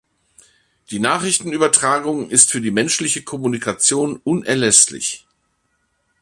Die Nachrichtenübertragung ist für die menschliche Kommunikation unerlässlich.